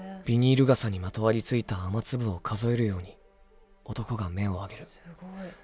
ビニール傘にまとわりついた雨粒を数えるように男が目を上げる。